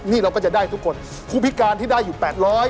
นี่เราก็จะได้ทุกคนผู้พิการที่ได้อยู่๘๐๐